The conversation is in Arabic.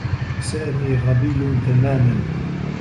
سامي غبيّ تماما.